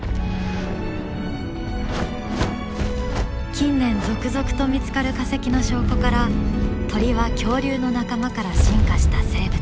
近年続々と見つかる化石の証拠から鳥は恐竜の仲間から進化した生物